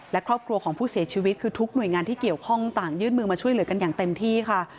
และครอบครัวของผู้เสียชีวิตคือทุกหน่วยงานที่เกี่ยวข้องต่างยื่นมือมาช่วยเหลือกันอย่างเต็มที่ค่ะ